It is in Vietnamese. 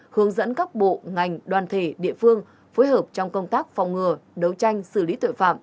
hướng dẫn các bộ ngành đoàn thể địa phương phối hợp trong công tác phòng ngừa đấu tranh xử lý tội phạm